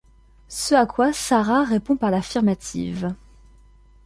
Ce à quoi Sarah répond par l'affirmative.